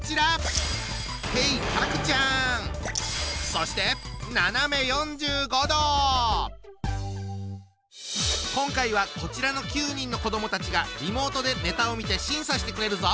そして今回はこちらの９人の子どもたちがリモートでネタを見て審査してくれるぞ！